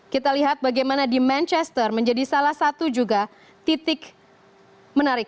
kita lihat bagaimana di manchester menjadi salah satu juga titik menarik